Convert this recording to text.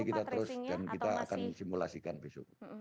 ini kita terus dan kita akan simulasikan besok